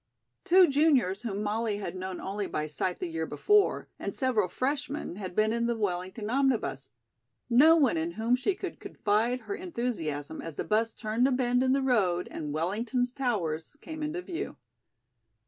Two juniors whom Molly had known only by sight the year before and several freshmen had been in the Wellington omnibus; no one in whom she could confide her enthusiasm as the 'bus turned a bend in the road and Wellington's towers came into view.